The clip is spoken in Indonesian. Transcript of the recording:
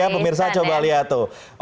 betul ya pemirsa coba lihat tuh